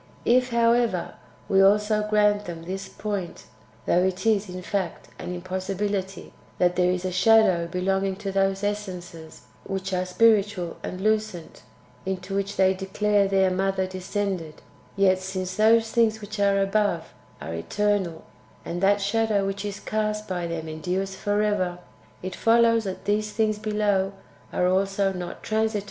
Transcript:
If, however, we also grant them this point (though it is, in fact, an impossibility), that there is a shadow belonging to those essences which are spiritual and lucent, into which they declare their Mother descended; yet, since those things [which are above] are eternal, and that shadow which is cast by them endures for ever, [it follows that] these things [below] are also not transi Book ii.